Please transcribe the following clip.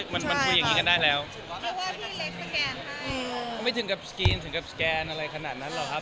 ไม่ถึงกับสแกนอะไรขนาดนั้นหรอกครับ